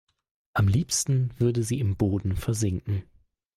Am liebsten würde sie im Boden versinken.